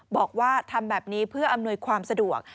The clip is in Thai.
บอกว่าทำแบบนี้เพื่ออำนวยความสะดวก